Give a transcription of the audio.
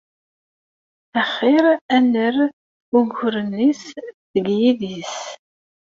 Axir ad nerr uguren-is deg yidis.